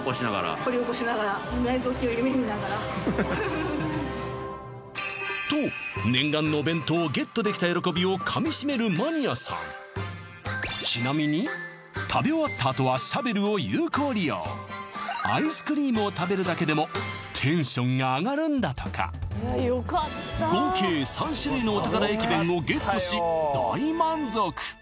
掘り起こしながらと念願のお弁当をゲットできた喜びを噛みしめるマニアさんちなみに食べ終わったあとはシャベルを有効利用アイスクリームを食べるだけでもテンションが上がるんだとか合計３種類のお宝駅弁をゲットし大満足